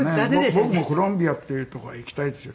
僕もコロンビアっていう所は行きたいですよ。